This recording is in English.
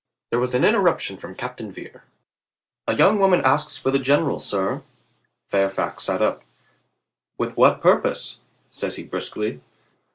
There was an interruption from Captain Vere. "A young woman asks for the general, sir." Fairfax sat up. "With what purpose?" says he briskly.